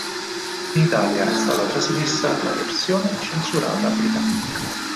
In Italia è stata trasmessa la versione censurata britannica.